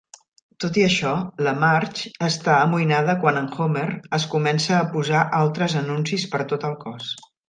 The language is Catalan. Tot i això, la Marge està amoïnada quan en Homer es comença a posar altres anuncis per tot el cos.